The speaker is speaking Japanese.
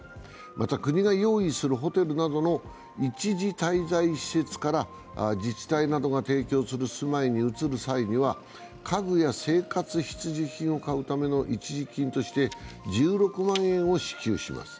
また国が用意するホテルなどの一時滞在施設から自治体などが提供する住まいに移る際には家具や生活必需品を買うための一時金として１６万円を支給します。